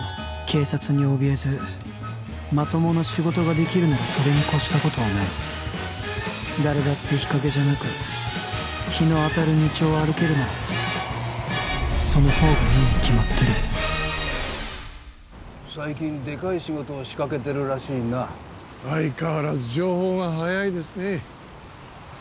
警察におびえずまともな仕事ができるならそれに越したことはない誰だって日陰じゃなく日の当たる道を歩けるならそのほうがいいに決まってる最近でかい仕事を仕掛けてるらしいな相変わらず情報が早いですね